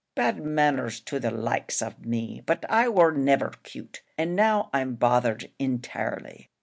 "Bad manners to the likes of me; but I war niver cute, and now I'm bothered intirely."